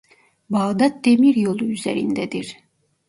Bağdat Demiryolu üzerindedir.